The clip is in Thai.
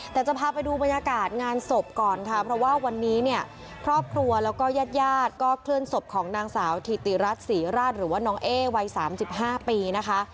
แต่จะพาไปดูบรรยากาศงานศพก่อนค่ะเพราะว่าวันนี้เนี่ยครอบครัวแล้วก็ญาติญาติก็เคลื่อนศพของนางสาวถิติรัฐศรีราชหรือว่าน้องเอ๊วัย๓๕ปีนะคะ